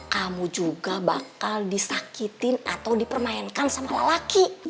kamu juga bakal disakitin atau dipermainkan sama lelaki